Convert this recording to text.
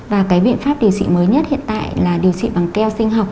và cái biện pháp điều trị mới nhất hiện tại là điều trị bằng keo sinh học